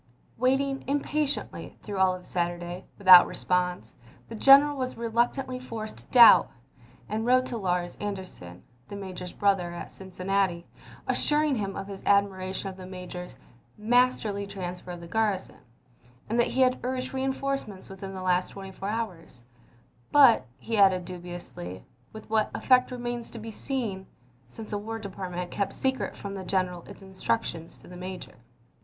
Waiting impatiently, through all of Saturday, without response, the general was reluctantly forced to doubt, and wrote to Larz Anderson, the major's brother, at Cincinnati, assuring him of his admiration of the major's "masterly transfer of the garrison," — that he had urged reinforcements within the last twenty four hours — but, he added dubiously, " with what effect remains to be seen," — since the War Department had kept secret from the general its instructions to the major.